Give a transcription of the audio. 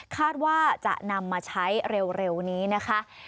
คาดว่าจะนำมาใช้เร็วนี้นะคะ